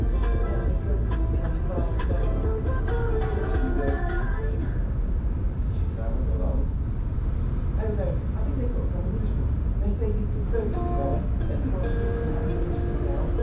I want her dreadfully to come to Baden Baden." "I wish she would," said Longueville. "Is she travelling alone?" "Oh, no. They 've got some Englishman. They say he 's devoted to Ella. Every one seems to have an Englishman, now.